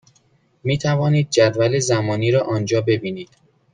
می توانید جدول زمانی را آنجا ببینید.